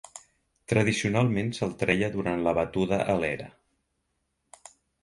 Tradicionalment se'l treia durant la batuda a l'era.